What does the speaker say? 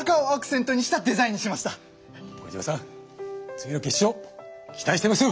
次の決勝期待してますよ！